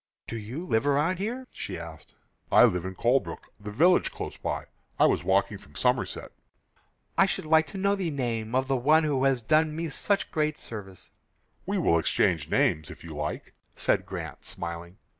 "Do you live round here?" she asked. "I live in Colebrook, the village close by. I was walking from Somerset." "I should like to know the name of the one who has done me so great a service." "We will exchange names, if you like," said Grant, smiling.